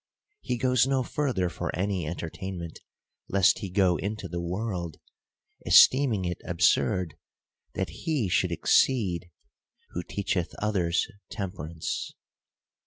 He goes no further for any entertainment, lest he go into the world ; esteem ing it absurd, that he should exceed, who teacheth 28 THE COUNTRY PARSON. others temperance.